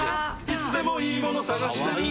「いつでもいいもの探してる」